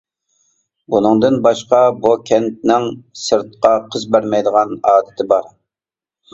بۇنىڭدىن باشقا بۇ كەنتنىڭ سىرتقا قىز بەرمەيدىغان ئادىتى بار.